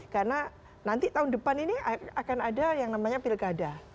karena nanti tahun depan ini akan ada yang namanya pilkada